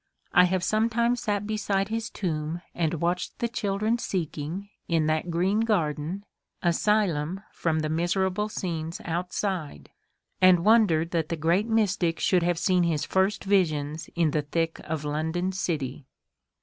I have sometimes sat beside his tomb and watched the children seeking in that green garden asylum from the miserable scenes outside, and wondered that the great mystic should have seen his first visions in the thick of London city.